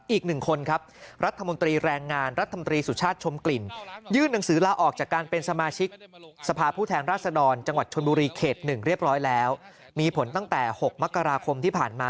อีกหนึ่งคนครับรัฐมนตรีแรงงานรัฐมนตรีสุชาติชมกลิ่น